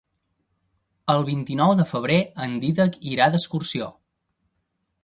El vint-i-nou de febrer en Dídac irà d'excursió.